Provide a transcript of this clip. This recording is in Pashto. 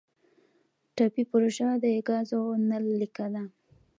ټاپي پروژه د ګازو نل لیکه ده